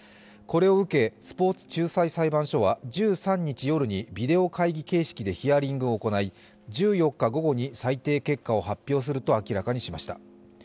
これを受け、スポーツ仲裁裁判所は１３日夜にビデオ会議形式でヒアリングを行い、１４日午後に裁定結果を発表すると明らかにしました。